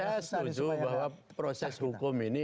saya setuju bahwa proses hukum ini